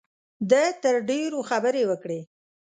ده تر ډېرو خبرې وکړې.